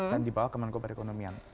dan di bawah kementerian kepala ekonomi